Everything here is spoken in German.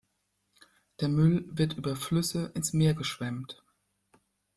Der Müll wird über Flüsse ins Meer geschwemmt.